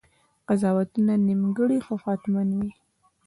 قضاوتونه نیمګړي خو حتماً وي.